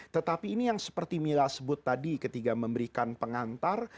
tetapi ini yang seperti mila sebut tadi ketika memberikan pengantar